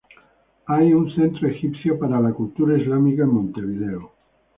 Hay un Centro Egipcio para la Cultura Islámica en Montevideo.